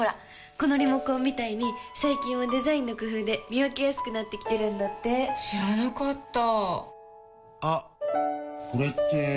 このリモコンみたいに最近はデザインの工夫で見分けやすくなってきてるんだって知らなかったあっ、これって・・・